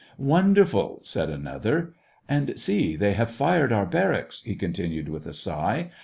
" Wonderful !" said another. " And see, they have fired our barracks," he continued, with a sigh.